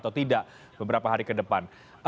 atau tidak beberapa hari ke depan